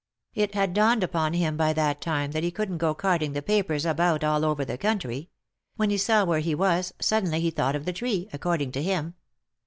It had dawned upon him by that time that he couldn't go carting the papers about all over the country ; when he saw where he was, suddenly he thought of the tree, according to him.